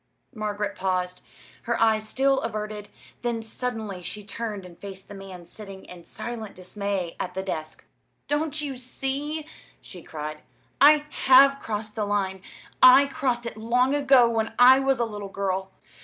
Margaret paused, her eyes still averted; then suddenly she turned and faced the man sitting in silent dismay at the desk. "Don't you see?" she cried. "I have crossed the line. I crossed it long ago when I was a little girl.